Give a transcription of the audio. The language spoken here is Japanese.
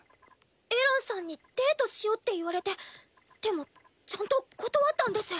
エランさんにデートしようって言われてでもちゃんと断ったんです。